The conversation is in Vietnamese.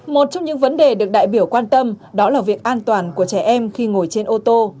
một trong những vấn đề được đại biểu quan tâm đó là việc an toàn của trẻ em khi ngồi trên ô tô